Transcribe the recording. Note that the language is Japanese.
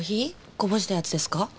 こぼしたやつですか？